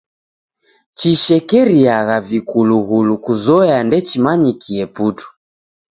Chishekeriagha vikulughulu kuzoya ndechimanyikie putu.